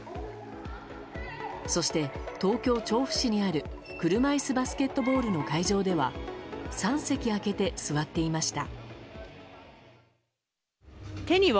そして、東京・調布市にある車いすバスケットボールの会場では３席空けて座っていました。